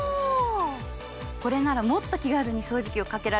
これならもっと気軽に掃除機をかけられそうですね。